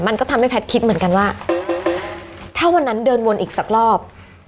มันก็ทำให้แพทย์คิดเหมือนกันว่าถ้าวันนั้นเดินวนอีกสักรอบ